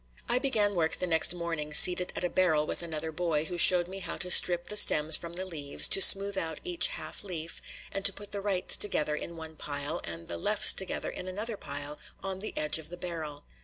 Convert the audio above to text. I began work the next morning seated at a barrel with another boy, who showed me how to strip the stems from the leaves, to smooth out each half leaf, and to put the "rights" together in one pile, and the "lefts" together in another pile on the edge of the barrel.